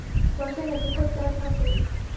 وژنه د پټ درد غږ دی